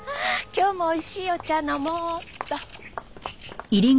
今日も美味しいお茶飲もうっと。